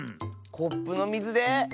コップのみずで？